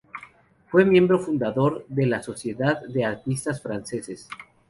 Fue miembro fundador de la Sociedad de Artistas Franceses.